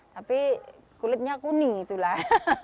tapi kulitnya kuning itu lah